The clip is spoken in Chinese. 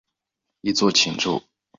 一作晴州。